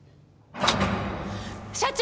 社長！